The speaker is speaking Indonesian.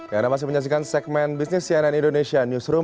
yang masih menyaksikan segmen bisnis cnn indonesia newsroom